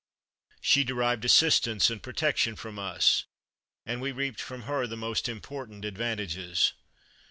She de rived assistance and protection from us; and we reaped from her the most important advan tages.